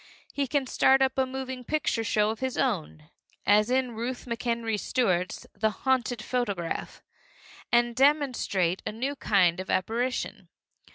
He can start up a moving picture show of his own, as in Ruth McEnery Stuart's The Haunted Photograph, and demonstrate a new kind of apparition.